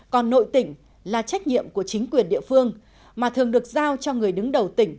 còn nội tỉnh là trách nhiệm của chính quyền địa phương mà thường được giao cho người đứng đầu tỉnh